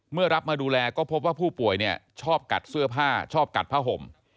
รับมาดูแลก็พบว่าผู้ป่วยเนี่ยชอบกัดเสื้อผ้าชอบกัดผ้าห่ม